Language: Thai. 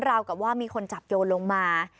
กับว่ามีคนจับโยนลงมา